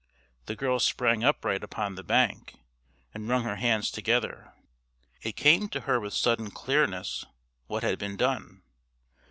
The girl sprang upright upon the bank and wrung her hands together. It came to her with sudden clearness what had been done.